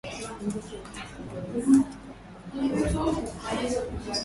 muziki naam kwa maoni hayo kutoka kwa bwana william maghoha ndo